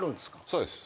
そうです。